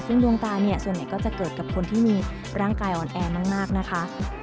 ซึ่งดวงตาเนี่ยส่วนใหญ่ก็จะเกิดกับคนที่มีร่างกายอ่อนแอมากนะคะ